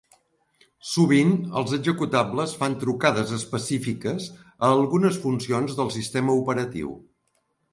Sovint els executables fan trucades específiques a algunes funcions del sistema operatiu.